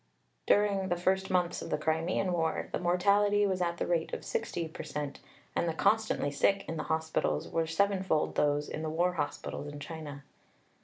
During the first months of the Crimean War the mortality was at the rate of 60 per cent, and the 'constantly sick' in the hospitals were sevenfold those in the war hospitals in China."